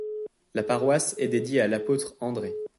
La paroisse est dédiée à l'apôtre André.